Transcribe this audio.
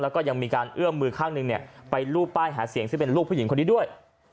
แล้วก็ยังมีการเอื้อมมือข้างหนึ่งไปรูปป้ายหาเสียงซึ่งเป็นลูกผู้หญิงคนนี้ด้วย